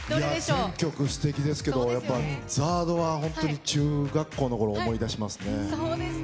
全曲、すてきですけど、やっぱＺＡＲＤは本当に中学校のころを思い出しますね。